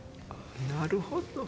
なるほど。